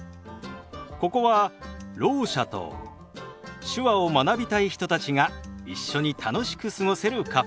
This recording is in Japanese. ここはろう者と手話を学びたい人たちが一緒に楽しく過ごせるカフェ。